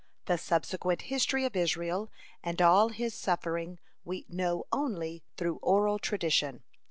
The subsequent history of Israel and all his suffering we know only through oral tradition.